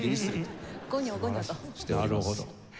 なるほど。